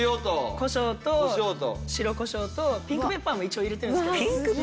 コショウと白コショウとピンクペッパーも一応入れてるんですけど。